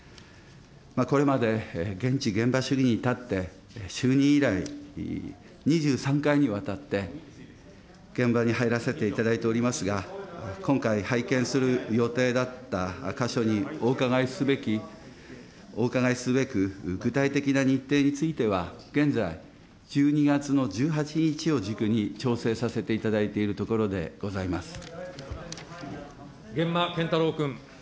これまで現地現場主義に立って、就任以来、２３回にわたって現場に入らせていただいておりますが、今回、拝見する予定だった箇所にお伺いすべき、お伺いすべく、具体的な日程については現在、１２月の１８日を軸に調整させていただいているところでございま源馬謙太郎君。